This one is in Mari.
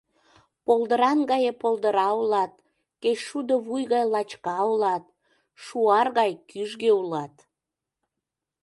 Полдыран гае полдыра улат, кечшудо вуй гай лачка улат, шуар гай кӱжгӧ улат...